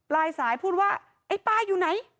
ลายสายพูดว่าไอ้ป้าอยู่ไหน